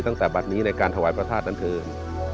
ตั้งแต่บัตรนี้ในการถวายพระธาตุนั้นเถิน